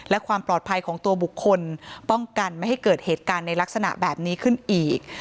และความปลอดภัยของตัวบุคคลป้องกันไม่ให้เกิดเหตุการณ์ในลักษณะแบบนี้ขึ้นอีก